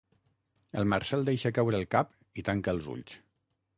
El Marcel deixa caure el cap i tanca els ulls.